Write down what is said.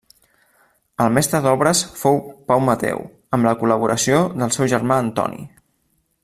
El mestre d'obres fou Pau Mateu, amb la col·laboració del seu germà Antoni.